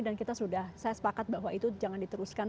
dan kita sudah saya sepakat bahwa itu jangan diteruskan